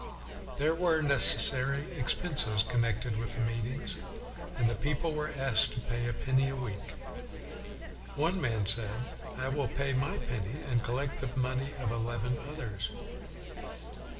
There were necessary expenses connected with the meetings, and the people were asked to pay a penny a week. One man said, " I 3 io WESLEY will pay my penny and collect the money of eleven others."